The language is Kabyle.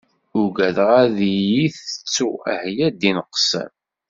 Ugadeɣ ad yi-tettu, ah ya ddin qessam!